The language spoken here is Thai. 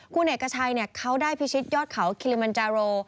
คุณเอกชัยเขาได้พิชิตยอดเขาคิลิมันจาโร